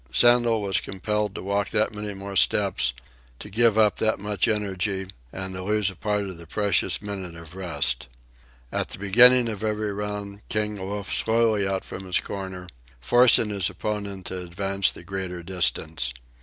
Sandel was compelled to walk that many more steps, to give up that much energy, and to lose a part of the precious minute of rest. At the beginning of every round King loafed slowly out from his corner, forcing his opponent to advance the greater distance.